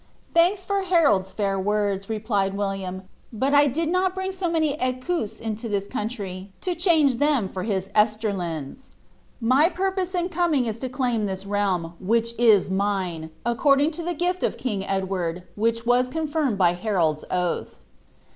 ^^| Thanks for Harolirs feir words," replied Wniiam, "but I did nol bring 90 many teas inio ihis countn, to chan^ ihem for his rtietlin*.' Hy purpose in coming is to claim ihis realm, which is mine, according to ihe gifi of king Edward, which was confirmed by Harold's oath."